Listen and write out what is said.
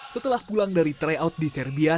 setelah pulang dari tryout di serbia